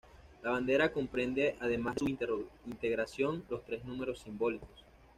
La bandera comprende además en su integración los tres números simbólicos.